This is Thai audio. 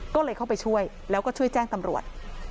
ก็เลยเข้าไปช่วยแล้วก็ช่วยแจ้งตำรวจ